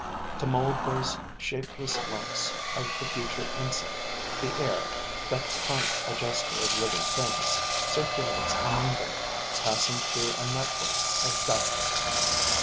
To mould those shapeless lumps of the future insect, the air, that prime adjuster of living things, circulates among them, passing through a network of ducts.